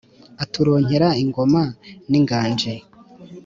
Aturonkera ingoma n’inganji